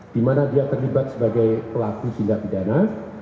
di mana dia terlibat sebagai pelaku tindak pidana